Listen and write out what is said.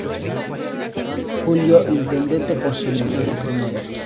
Julio Intendente por Soriano de Primera!